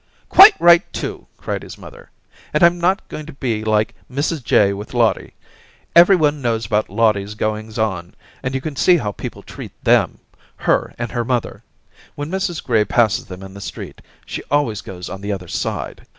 'Quite right too!' cried his mother; And I'm not going to be like Mrs Jay with Lottie. Everyone knows, about Lottie's goings on, and you can see how people treat them — her and her mother. When Mrs Gray passes them in the street she always goes on the other side.